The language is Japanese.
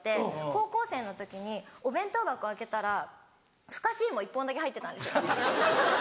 高校生の時にお弁当箱開けたらふかし芋１本だけ入ってたんですよ。